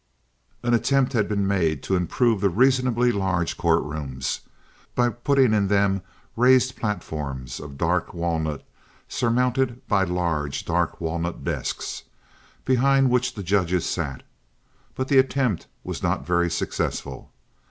An attempt had been made to improve the reasonably large courtrooms by putting in them raised platforms of dark walnut surmounted by large, dark walnut desks, behind which the judges sat; but the attempt was not very successful.